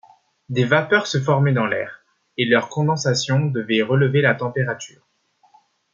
Des vapeurs se formaient dans l’air, et leur condensation devait relever la température.